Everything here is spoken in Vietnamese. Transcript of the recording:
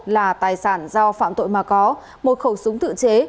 là tài sản do phạm tội mà có một khẩu súng tự chế